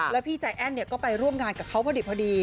แล้วพี่ใจแอ้นก็ไปร่วมงานกับเขาพอดี